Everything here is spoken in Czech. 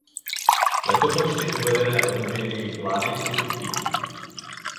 Letopočty uvedené o době jejich vlády jsou fiktivní.